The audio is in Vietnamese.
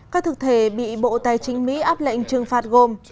các thực thể bị bộ tài chính mỹ áp lệnh trừng phạt gồm